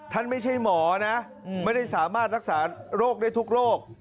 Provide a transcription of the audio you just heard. ไม่ใช่หมอนะไม่ได้สามารถรักษาโรคได้ทุกโรค